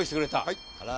はい。